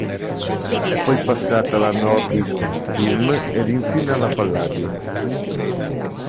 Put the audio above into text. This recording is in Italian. È poi passata alla Nordisk Film ed infine alla Palladium.